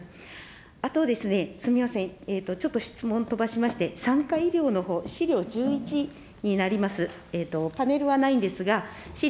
あとですね、すみません、ちょっと質問飛ばしまして、産科医療のほう、資料１１になります。